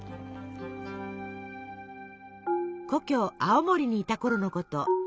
故郷青森にいたころのこと。